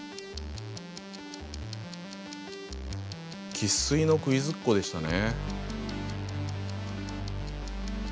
生っ粋のクイズっ子でしたね。